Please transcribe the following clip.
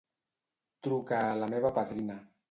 Truca a la meva padrina.